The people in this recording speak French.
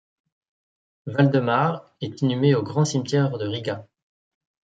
Valdemars est inhumé au Grand cimetière de Riga.